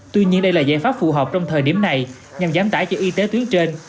tuy nhiên đây là giải pháp phù hợp trong thời điểm này nhằm giảm tải cho y tế tuyến trên